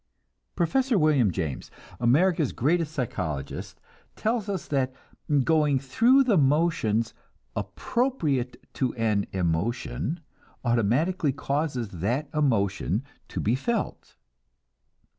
Prof. William James, America's greatest psychologist, tells us that going through the motions appropriate to an emotion automatically causes that emotion to be felt.